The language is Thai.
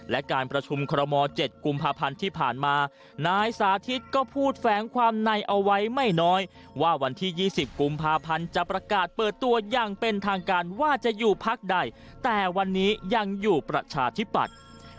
และการประชุมคอรมอล๗กุมภาพันธ์ที่ผ่านมานายสาธิตก็พูดแฝงความในเอาไว้ไม่น้อยว่าวันที่๒๐กุมภาพันธ์จะประกาศเปิดตัวอย่างเป็นทางการว่าจะอยู่พักใดแต่วันนี้ยังอยู่ประชาธิปัตย์